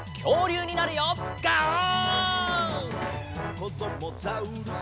「こどもザウルス